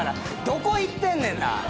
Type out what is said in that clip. どこ行ってんねんな。